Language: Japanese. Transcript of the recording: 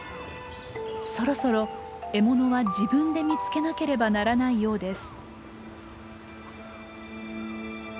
そろそろ獲物は自分で見つけなければならないようです。